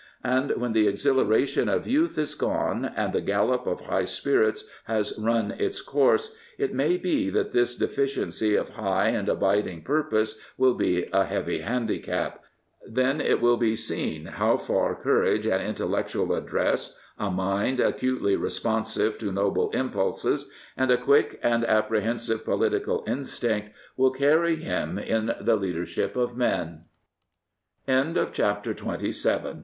And when the exhilaration of youth is gone, and the gallop of high spirits has run its course, it may be that this deficiency of high and abiding purpose will be a heavy handicap. Then it will be seen how far courage and intellectual address, a mind acutely responsive to noble impulses, and a quick and apprehensive political instinct will cairy him in the leade